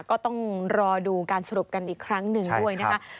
ก็ต้องรอดูการสรุปกันอีกครั้งหนึ่งด้วยนะคะ